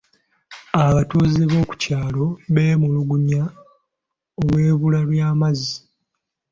Abatuuze b’oku kyalo bemulugunyiza olw'ebbula ly'amazzi.